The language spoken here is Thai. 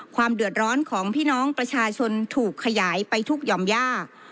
ความเดือดร้อนของพี่น้องประชาชนถูกขยายไปทุกยอมย่า